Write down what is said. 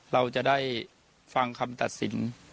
เราจะได้ฟังคำตัดสิน